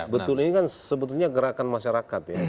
betul ini kan sebetulnya gerakan masyarakat ya